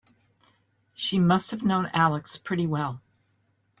She must have known Alex pretty well.